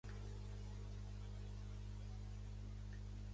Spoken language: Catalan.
Pertanyia a una família local d'ulemes de llarga tradició.